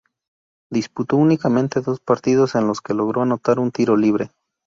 Disputó únicamente dos partidos, en los que logró anotar un tiro libre.